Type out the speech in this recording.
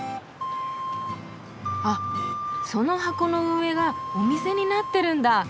あっその箱の上がお店になってるんだ。